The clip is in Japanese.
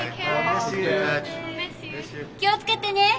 気を付けてね！